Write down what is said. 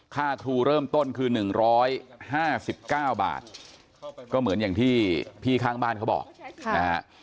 ค่าทูเริ่มต้นคือหนึ่งร้อยห้าสิบเก้าบาทก็เหมือนอย่างที่พี่ข้างบ้านเขาบอกค่ะ